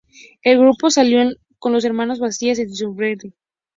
El grupo salió con las manos vacías en Slammiversary.